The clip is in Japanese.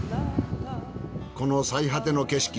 この最果ての景色